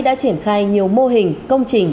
đã triển khai nhiều mô hình công trình